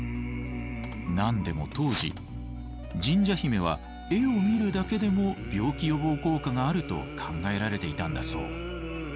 何でも当時神社姫は絵を見るだけでも病気予防効果があると考えられていたんだそう。